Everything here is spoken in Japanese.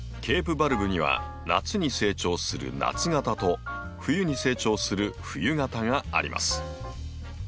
ケープバルブには夏に成長する夏型と冬に成長する冬型があります。